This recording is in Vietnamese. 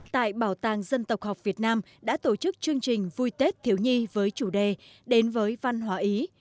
tại bảo tàng dân tộc học việt nam đã tổ chức chương trình vui tết thiếu nhi với chủ đề đến với văn hóa ý